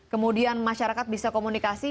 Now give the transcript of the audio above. kemudian masyarakat bisa komunikasi